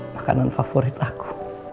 makanan favorit aku